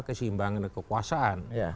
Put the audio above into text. kesimbangan dan kekuasaan